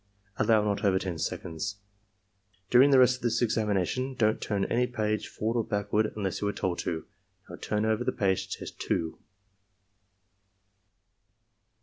(Allow not over 10 seconds.) "During the rest of this examination don't turn any page forward or backward unless you are told to. Now turn over the page to Test 2."